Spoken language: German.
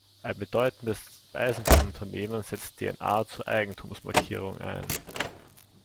Ein bedeutendes Eisenbahnunternehmen setzt D N A zur Eigentumsmarkierung ein.